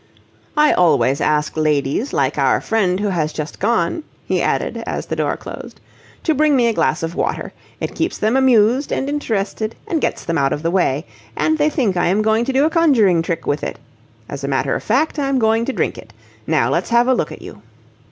I always ask ladies, like our friend who has just gone," he added as the door closed, "to bring me a glass of water. It keeps them amused and interested and gets them out of the way, and they think I am going to do a conjuring trick with it. As a matter of fact, I'm going to drink it. Now let's have a look at you."